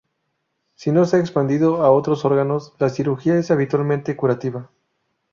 Si no se ha expandido a otros órganos, la cirugía es habitualmente curativa.